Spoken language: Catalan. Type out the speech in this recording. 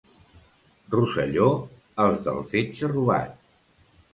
Rosselló, els del fetge robat.